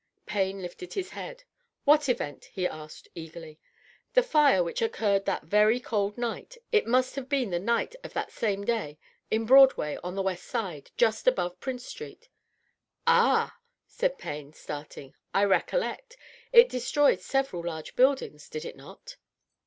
Payne lifted his head. " What event?" he asked eagerly. " The fire which occurred that very cold night — it must have been the night of that same day — in Broadway, on the west side, just above Prince Street." " Ah !" said Payne, starting. " I recollect. It destroyed several large buildings, did it not?"